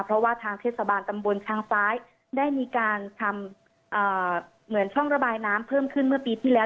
เพราะว่าทางเทศบาลตำบลช้างซ้ายได้มีการทำเหมือนช่องระบายน้ำเพิ่มขึ้นเมื่อปีที่แล้ว